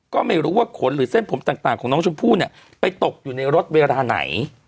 ก็ไม่รู้ว่าขนหรือเส้นผมต่างของน้องชมพู่เนี่ยไปตกอยู่ในรถเวลาไหน